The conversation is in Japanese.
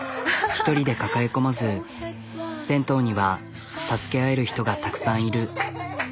１人で抱え込まず銭湯には助け合える人がたくさんいる。